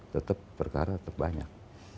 tetap perkara banyak